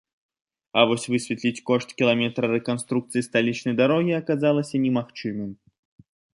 А вось высветліць кошт кіламетра рэканструкцыі сталічнай дарогі аказалася немагчымым.